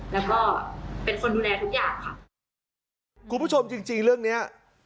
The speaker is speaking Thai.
แล้วก็เป็นคนดูแลทุกอย่างค่ะคุณผู้ชมจริงจริงเรื่องเนี้ย